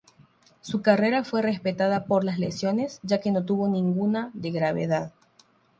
Su carrera fue respetada por las lesiones ya que no tuvo ninguna de gravedad.